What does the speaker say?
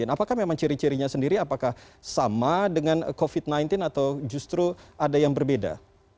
apakah memang ciri cirinya sendiri apakah sama dengan covid sembilan belas atau justru ada yang berbeda